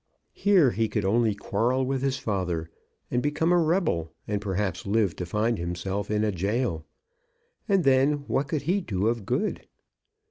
Here he could only quarrel with his father, and become a rebel, and perhaps live to find himself in a jail. And then what could he do of good?